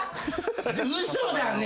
嘘だね。